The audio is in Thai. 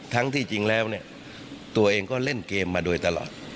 ที่จริงแล้วเนี่ยตัวเองก็เล่นเกมมาโดยตลอด